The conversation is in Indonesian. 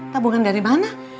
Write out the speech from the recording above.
tabungan dari mana